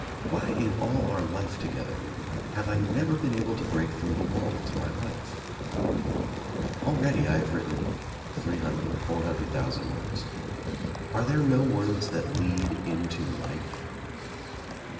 Why. in all our life together, have I never been able to break through the wall to my wife? THE MAN IN THE BROWN COATIOI Already I have written three hundred, four hundred thousand wordss Are there no words that lead into life?